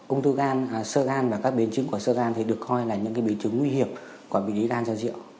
ung thư gan sơ gan và các biến chứng của sơ gan thì được coi là những biến chứng nguy hiểm của bệnh lý gan do rượu